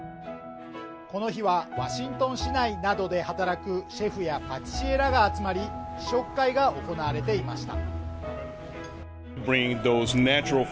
この日は、ワシントン市内などで働くシェフやパティシエらが集まり、試食会が行われていました。